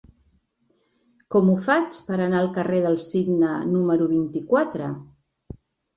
Com ho faig per anar al carrer del Cigne número vint-i-quatre?